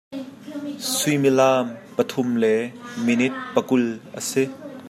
Suimilam pathum le minit pakul a si.